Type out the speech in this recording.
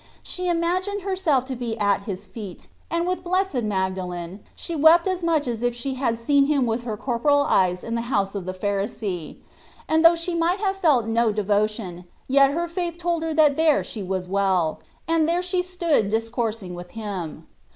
She imagined herself to be at His feet, and with blessed Magdalen she wept as much as if she had seen Him with her corporal eyes in the house of the Pharisee ; and though she might have felt no devotion, yet faith told her that there she was well ; and there she stood discoursing with Him.